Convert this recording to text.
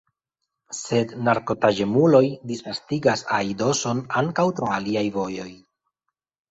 Sed narkotaĵemuloj disvastigas aidoson ankaŭ tra aliaj vojoj.